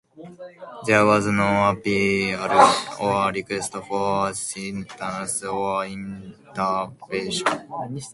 There was no appeal or request for assistance or intervention.